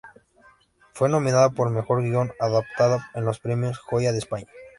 Fue nominada por mejor guión adaptado en los premios Goya de España.